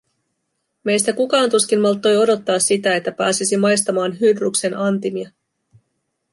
Meistä kukaan tuskin malttoi odottaa sitä, että pääsisi maistamaan Hydruksen antimia.